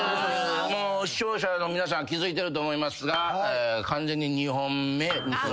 もう視聴者の皆さん気付いてると思いますが。